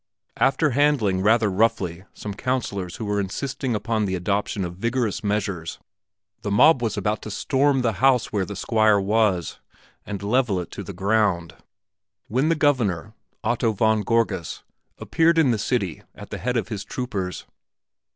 After handling rather roughly some councilors who were insisting upon the adoption of vigorous measures, the mob was about to storm the house where the Squire was and level it to the ground, when the Governor, Otto von Gorgas, appeared in the city at the head of his troopers.